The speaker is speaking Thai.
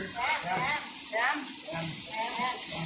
แซมแซมแซม